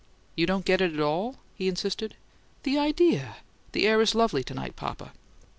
"You don't get it at all?" he insisted. "The idea! The air is lovely to night, papa."